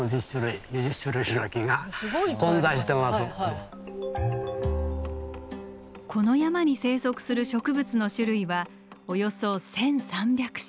一目見ただけで多分この山に生息する植物の種類はおよそ１，３００種。